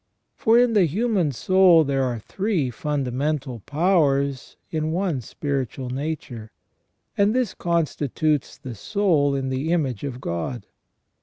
For in the human soul there are three fundamental powers in one spiritual nature, and this constitutes the soul in the image of God.